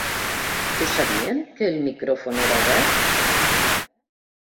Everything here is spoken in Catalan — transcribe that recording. Ho sabien, que el micròfon era obert?